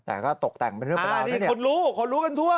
แต่ก็ตกแต่งเป็นเรื่องเป็นราวนี่คนรู้คนรู้กันทั่ว